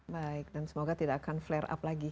baik dan semoga tidak akan flare up lagi